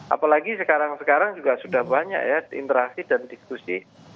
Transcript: apalagi sekarang sekarang juga sudah banyak ya interaksi dan diskusi